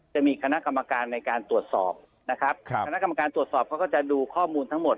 จะมีคณะกรรมการในการตรวจสอบนะครับคณะกรรมการตรวจสอบเขาก็จะดูข้อมูลทั้งหมด